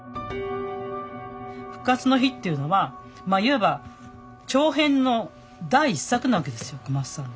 「復活の日」っていうのはいわば長編の第１作なわけですよ小松さんの。